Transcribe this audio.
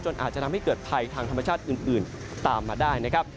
อาจจะทำให้เกิดภัยทางธรรมชาติอื่นตามมาได้นะครับ